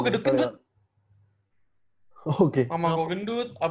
dia ngomongin aja gak enak bu